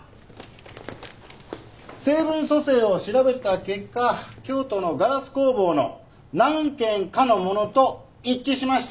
成分組成を調べた結果京都のガラス工房の何軒かのものと一致しました！